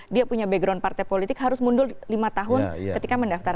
dia punya background partai politik harus mundur lima tahun ketika mendaftar